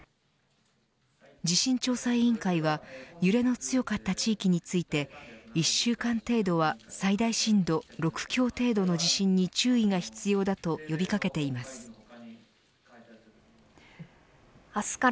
地震調査委員会は揺れの強かった地域について１週間程度は最大震度６強程度の地震に注意が必要だと呼び掛けています。